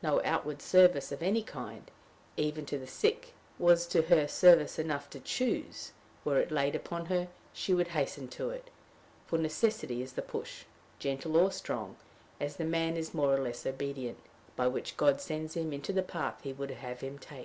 No outward service of any kind, even to the sick, was to her service enough to choose; were it laid upon her, she would hasten to it; for necessity is the push, gentle or strong, as the man is more or less obedient, by which God sends him into the path he would have him take.